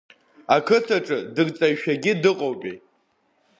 Ақыҭаҿы дырҵаҩшәагьы дыҟоупеи.